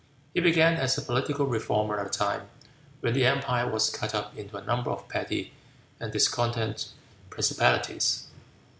He began as a political reformer at a time when the empire was cut up into a number of petty and discordant principalities.